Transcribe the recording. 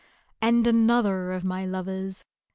And another of my lovers.